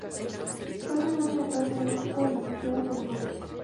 Fue el primer director periodístico del noticiero Telenoche.